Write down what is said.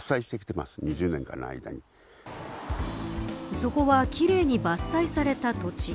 そこは、奇麗に伐採された土地。